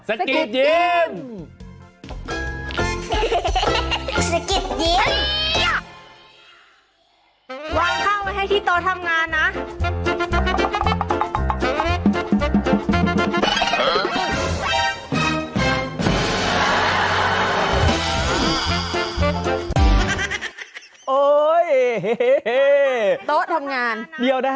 สกิดยิ้ม